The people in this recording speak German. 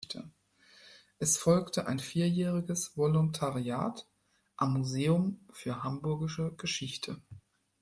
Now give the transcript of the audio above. Es folgte ein vierjähriges Volontariat am Museum für Hamburgische Geschichte.